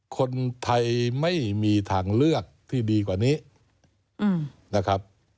คนไทยไม่มีทางเลือกที่ดีกว่านี้นะครับ